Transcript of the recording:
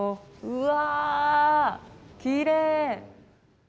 うわきれい。